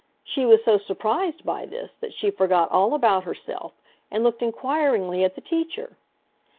She was so surprised by this that she forgot all about herself and looked inquiringly at the teacher.